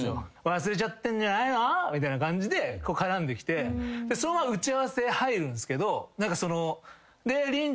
「忘れちゃってんじゃないの？」みたいな感じで絡んできてそのまま打ち合わせ入るんすけど。